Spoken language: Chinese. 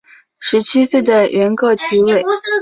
十七岁的元恪即位。